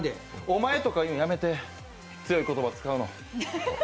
お前とか言うのやめて強い言葉使うの。